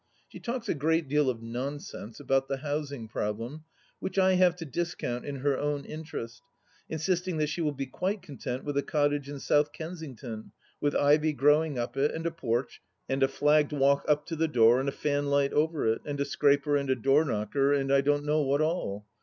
She talks a great deal of nonsense about the housing problem which I have to discount in her own interest, insistiag that she will be quite content with a cottage in South Kensiugton, with ivy growing up it and a porch and a flagged walk up to the door and a fanlight over it, and a scraper and a door knocker, and I don't know what all